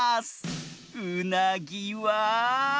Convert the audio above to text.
うなぎは。